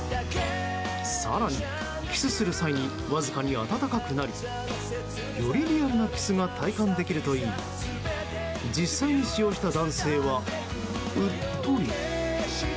更に、キスする際にわずかに温かくなりより、リアルなキスが体感できるといい実際に使用した男性はうっとり。